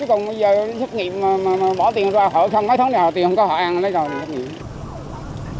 họ không có tháng nào tiền không có họ ăn